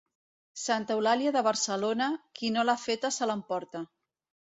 Santa Eulàlia de Barcelona, qui no l'ha feta se l'emporta.